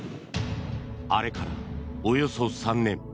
あれからおよそ３年。